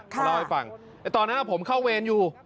เขาเล่าให้ฟังตอนนั้นผมเข้าเวรอยู่